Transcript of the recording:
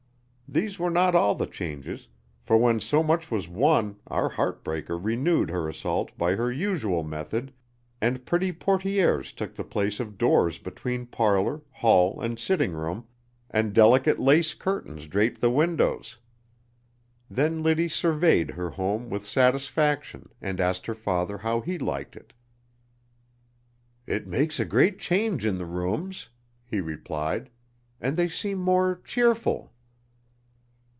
These were not all the changes, for when so much was won our heart breaker renewed her assault by her usual method, and pretty portières took the place of doors between parlor, hall and sitting room, and delicate lace curtains draped the windows. Then Liddy surveyed her home with satisfaction and asked her father how he liked it. "It makes a great change in the rooms," he replied, "and they seem more cheerful."